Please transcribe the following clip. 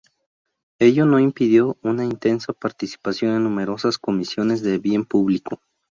Ello no impidió una intensa participación en numerosas comisiones de bien público.